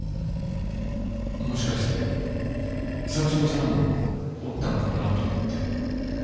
もしかしてサッチモちゃんもおったんかなと思って。